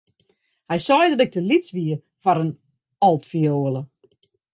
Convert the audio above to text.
Hy sei dat ik te lyts wie foar in altfioele.